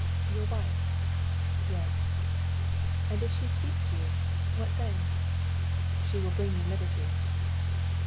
"Your wife?" "Yes." "And if she seeks you, what then?" "She will bring me liberty."